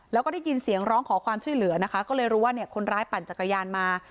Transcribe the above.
แล้วก็ได้ยินเสียงร้องขอความช่วยเหลือนะคะก็เลยรู้ว่าเนี่ยคนร้ายปั่นจักรยานมา